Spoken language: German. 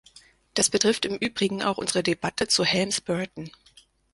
Das betrifft im übrigen auch unsere Debatte zu Helms Burton.